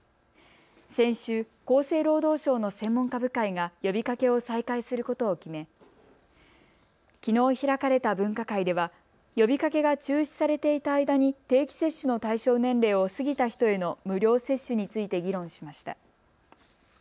先週、厚生労働省の専門家部会が呼びかけを再開することを決めきのう開かれた分科会では呼びかけが中止されていた間に定期接種の対象年齢を過ぎた人への無料接種について議論しました。